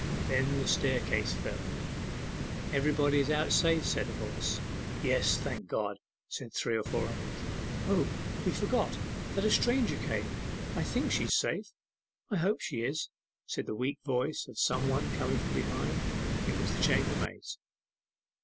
Then the staircase fell. 'Everybody is out safe,' said a voice. 'Yes, thank God!' said three or four others. 'O, we forgot that a stranger came! I think she is safe.' 'I hope she is,' said the weak voice of some one coming up from behind. It was the chambermaid's.